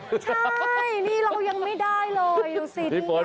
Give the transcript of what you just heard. ใช่นี่เรายังไม่ได้เลยลูกสีดี้น่ะ